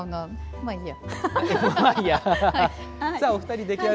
まあ、いいや。